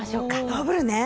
ダブルね。